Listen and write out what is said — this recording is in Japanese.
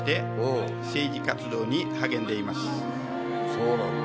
そうなんだ。